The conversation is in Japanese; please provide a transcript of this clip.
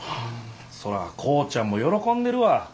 そら浩ちゃんも喜んでるわ。